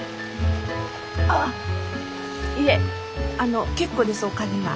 あっいえあの結構ですお金は。